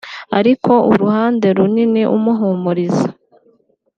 ariko uruhande runini umuhumuriza